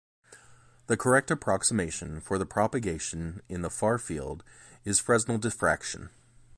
The correct approximation for the propagation in the far field is Fresnel diffraction.